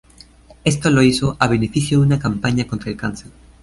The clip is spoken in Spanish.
Esto lo hizo a beneficio de una campaña contra el cáncer.